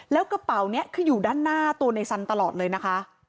ตัวในสันตลอดเลยนะคะ